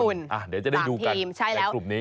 เดี๋ยวจะได้อยู่กันในกลุ่มนี้